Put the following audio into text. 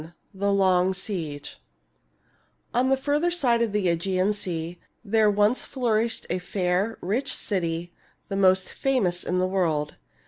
THE LONG SIEGE On the farther side of the ^gean Sea there once flourished a fair, rich city, the most famous in the world.